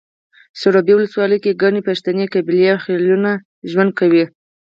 سروبي ولسوالۍ کې ګڼې پښتنې قبیلې او خيلونه ژوند کوي